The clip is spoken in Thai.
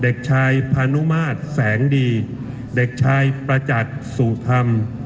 เด็กชายพานุมาตรแสงดีเด็กชายประจักษ์สุธรรม